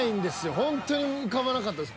ほんとに浮かばなかったです